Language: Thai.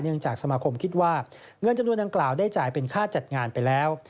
จากสมาคมคิดว่าเงินจำนวนดังกล่าวได้จ่ายเป็นค่าจัดงานไปแล้ว